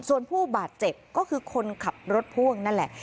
ส่วนผู้บาดเจ็บก็คือคนขับรถพ่วงนั่นแหละ